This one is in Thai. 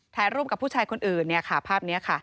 ถ่ายรูปกับผู้ชายคนอื่นภาพนี้ค่ะ